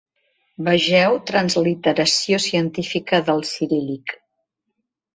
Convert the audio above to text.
Vegeu Transliteració científica del ciríl·lic.